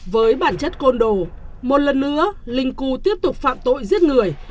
với bản chất côn đồ một lần nữa linh cu tiếp tục phạm tội giết người